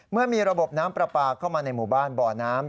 เมื่อมีระบบน้ำปลาปลาเข้ามาในหมู่บ้านบ่อน้ำ